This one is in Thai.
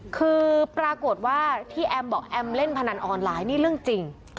คือปรากฏว่าที่แอมบอกแอมเล่นพนันออนไลน์นี่เรื่องจริง